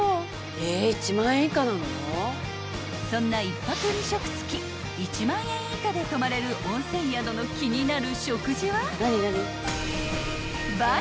［そんな１泊２食付き１万円以下で泊まれる温泉宿の気になる食事は］